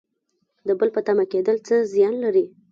د بل په تمه کیدل څه زیان لري؟